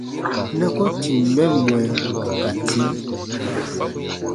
Na ko tìm mɛ mwɛ ka tii.